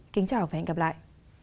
kính chào và hẹn gặp lại